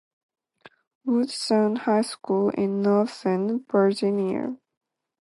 Woodson High School in Northern Virginia.